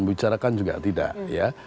bicarakan juga tidak ya